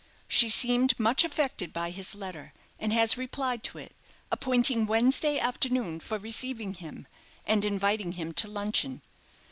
She seemed much affected by his letter, and has replied to it, appointing Wednesday after noon for receiving him, and inviting him to luncheon.